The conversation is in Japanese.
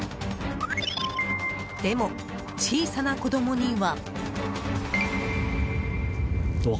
でも、小さな子供には。